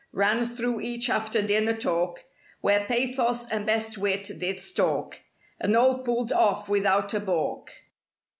Ran through each after dinner talk, Where pathos and best wit did stalk; And all pulled off without a balk.